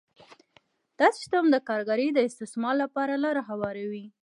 دا سیستم د کارګر د استثمار لپاره لاره هواروي